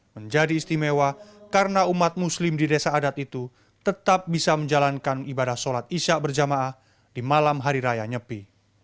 menjadi istimewa karena umat muslim di desa adat itu tetap bisa menjalankan ibadah sholat isya berjamaah di malam hari raya nyepi